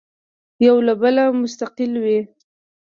یو له بله مستقل وي.